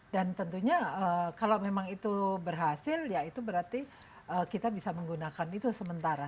dan tentunya kalau memang itu berhasil ya itu berarti kita bisa menggunakan itu sementara